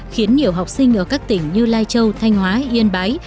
khiến nhiều học sinh ở các tỉnh như lai châu thanh hóa yên bái